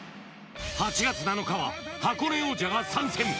８月７日は箱根王者が参戦